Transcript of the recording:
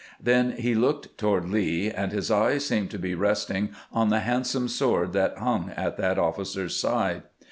Then he looked toward Lee, and his eyes seemed to be resting on the handsome sword that hung at that officer's side.